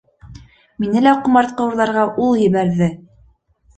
Мине лә ҡомартҡы урларға ул ебәрҙе!